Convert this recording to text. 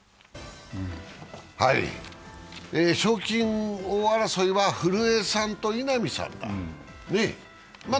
賞金王争いは古江さんと稲見さんだ。